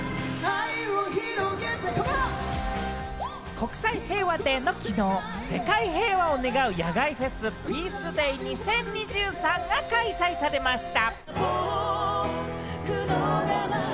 国際平和デーの昨日、世界平和を願う野外フェス「ＰＥＡＣＥＤＡＹ２０２３」が開催されました。